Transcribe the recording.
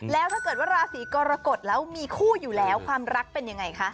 แล้วถ้าเกิดว่าราศีกรกฎแล้วมีคู่อยู่แล้วความรักเป็นยังไงคะ